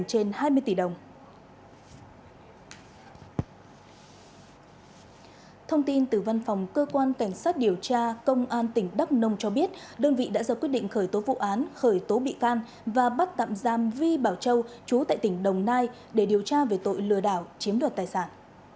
thông tin từ văn phòng cơ quan cảnh sát điều tra công an tỉnh đắk nông cho biết đơn vị đã ra quyết định khởi tố vụ án khởi tố bị can và bắt tạm giam vi bảo châu chú tại tỉnh đồng nai để điều tra về tội lừa đảo chiếm đoạt tài sản